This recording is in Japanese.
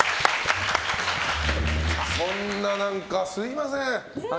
そんなすみません。